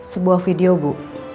sebuah video bu